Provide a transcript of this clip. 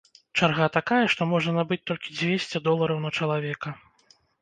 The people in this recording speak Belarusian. Чарга такая, што можна набыць толькі дзвесце долараў на чалавека.